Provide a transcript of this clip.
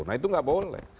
nah itu gak boleh